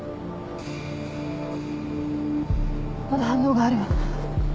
まだ反応がある。